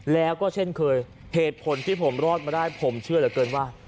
แล้วก็เช่นเคยเหตุผลที่ผมรอดมาได้ผมเชื่อเหลือเกินว่า